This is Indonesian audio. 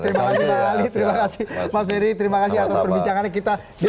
terima kasih pak dery terima kasih untuk perbincangannya